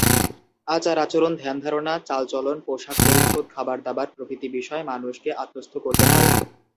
আচার-আচরণ, ধ্যান-ধারণা, চালচলন, পোশাক-পরিচ্ছদ, খাবারদাবার প্রভৃতি বিষয় মানুষকে আত্মস্থ করতে হয়।